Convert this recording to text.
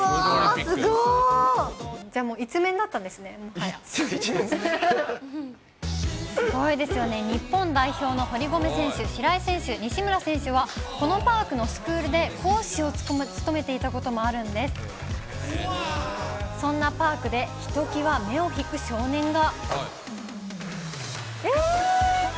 すごいですよね、日本代表の堀米選手、白井選手、西村選手はこのパークのスクールで講師を務めていたこともあるんです。そんなパークで、ひときわ目を引く少年が。